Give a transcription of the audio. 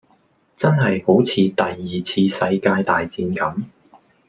真係好似第二次世界大戰咁